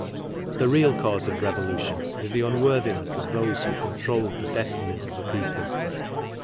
The real cause of revolution is the unworthiness of those who controlled the destinies of a people.